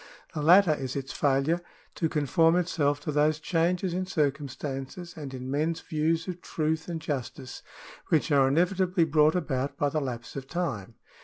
The latter is its failure to conform itself to those changes in circumstances and in men's views of truth and justice, which are inevitably brought about by the lapse of time.